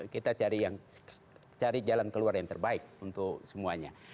kita cari jalan keluar yang terbaik untuk semuanya